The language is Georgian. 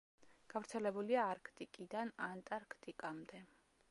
გავრცელებულია არქტიკიდან ანტარქტიკამდე.